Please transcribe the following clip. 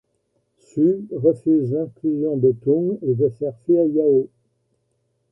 Su refuse l’inclusion de Tung, et veut faire fuir Yao.